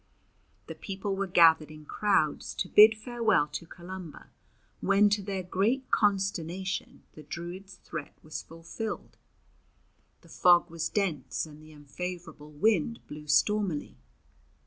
The people were gathered in crowds to bid farewell to Columba, when to their great consternation the Druid's threat was fulfilled. The fog was dense and the unfavourable wind blew stormily.